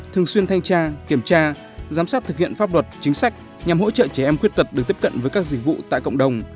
thường xuyên thanh tra kiểm tra giám sát thực hiện pháp luật chính sách nhằm hỗ trợ trẻ em khuyết tật được tiếp cận với các dịch vụ tại cộng đồng